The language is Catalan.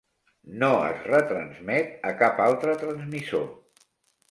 No es retransmet a cap altre transmissor.